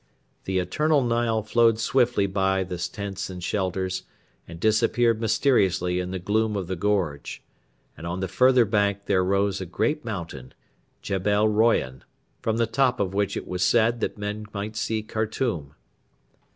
The eternal Nile flowed swiftly by the tents and shelters, and disappeared mysteriously in the gloom of the gorge; and on the further bank there rose a great mountain Jebel Royan from the top of which it was said that men might see Khartoum.